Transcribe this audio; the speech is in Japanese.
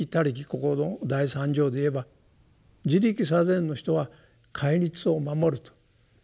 ここの第三条で言えば「自力作善」の人は戒律を守ると。